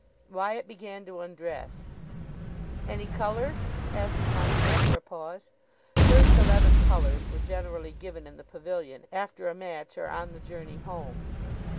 Wyatt began to undress. "Any colours?" asked Mike after a pause. First eleven colours were generally given in the pavilion after a match or on the journey home.